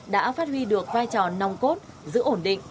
đã phát huy được vai trò nòng cốt giữ ổn định